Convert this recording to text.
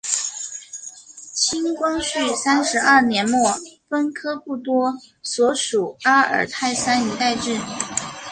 清光绪三十二年末分科布多所属阿尔泰山一带置。